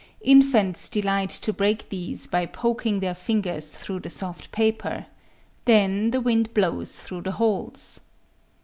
Infants delight to break these by poking their fingers through the soft paper: then the wind blows through the holes.